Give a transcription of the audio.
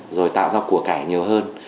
rồi tạo ra của cải nhiều hơn